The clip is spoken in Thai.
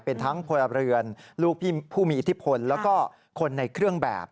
เป็นทั้งพลเรือนลูกผู้มีอิทธิพลแล้วก็คนในเครื่องแบบ